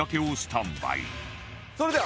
それでは。